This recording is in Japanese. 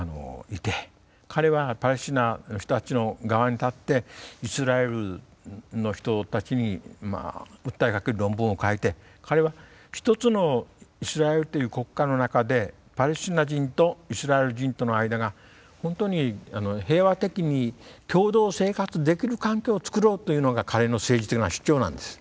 彼はパレスチナの人たちの側に立ってイスラエルの人たちに訴えかける論文を書いて彼は一つのイスラエルという国家の中でパレスチナ人とイスラエル人との間が本当に平和的に共同生活できる環境を作ろうというのが彼の政治的な主張なんです。